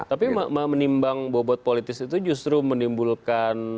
tapi menimbang bobot politis itu justru menimbulkan